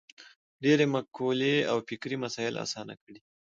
ډېرې مقولې او فکري مسایل اسانه کړي.